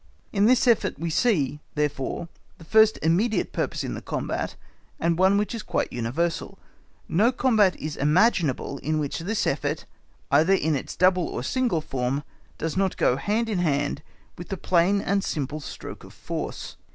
In this effort we see, therefore, the first immediate purpose in the combat, and one which is quite universal. No combat is imaginable in which this effort, either in its double or single form, does not go hand in hand with the plain and simple stroke of force.